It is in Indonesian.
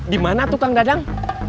di mana tukang dadang